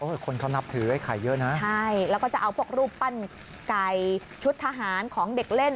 คนเขานับถือไอ้ไข่เยอะนะใช่แล้วก็จะเอาพวกรูปปั้นไก่ชุดทหารของเด็กเล่น